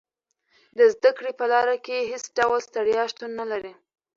د زده کړې په لار کې هېڅ ډول ستړیا شتون نه لري.